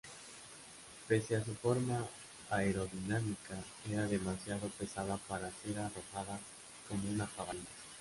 Pese a su forma aerodinámica, era demasiado pesada para ser arrojada como una jabalina.